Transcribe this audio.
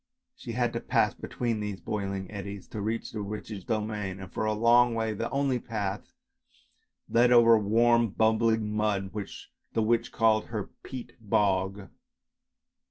She had to pass between these boiling eddies to reach the witch's domain, and for a long way the only path led over warm bubbling mud, which the witch called her " peat bog."